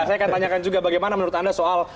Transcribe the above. saya akan tanyakan juga bagaimana menurut anda soal